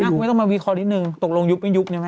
แต่เบกนักไม่ต้องมาวิเคราะห์นิดหนึ่งตกลงยุบไม่ยุบไหม